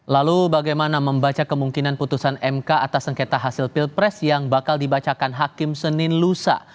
lalu bagaimana membaca kemungkinan putusan mk atas sengketa hasil pilpres yang bakal dibacakan hakim senin lusa